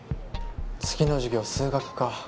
次の授業数学か。